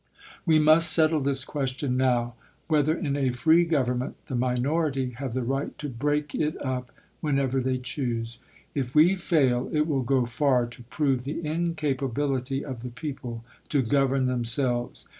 We must settle this question now, — whether in a free government the minority have the right to break it up whenever they choose. If we fail, it will go far to prove the incapability of the people to govern themselves.